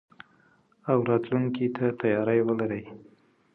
او راتلونکي ته تياری ولري.